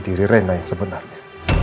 diri rena yang sebenarnya